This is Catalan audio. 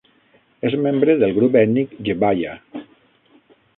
És membre del grup ètnic gbaya.